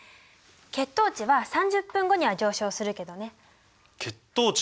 血糖値は３０分後には上昇するけどね。